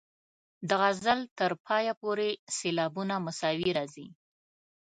د غزل تر پایه پورې سېلابونه مساوي راځي.